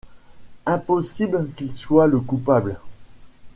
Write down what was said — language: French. Impossible qu'il soit le coupable.